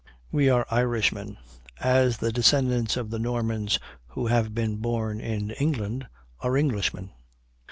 We are Irishmen, as the descendants of the Normans who have been born in England are Englishmen.'